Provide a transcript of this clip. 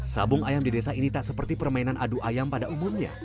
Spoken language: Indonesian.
sabung ayam di desa ini tak seperti permainan adu ayam pada umumnya